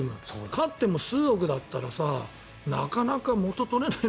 勝っても数億だったらさなかなか元取れない。